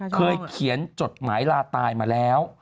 เคยเขียนจดหมายลาตายมาแล้ว